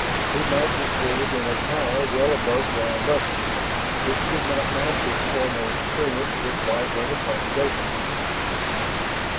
He might be quartered in a tower well above ground level, which did not match his former experience with Wyvern accommodations.